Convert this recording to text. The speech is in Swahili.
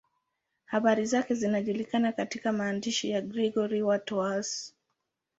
Habari zake zinajulikana katika maandishi ya Gregori wa Tours.